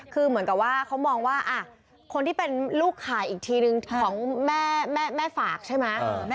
คือเหมือนกับว่าเขามองว่าคนที่เป็นลูกขายอีกทีนึงของแม่ฝากใช่ไหม